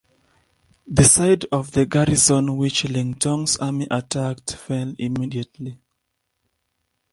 The side of the garrison which Ling Tong's army attacked fell immediately.